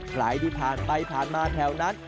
ใครที่ผ่านไปผ่านมาแถวนั้น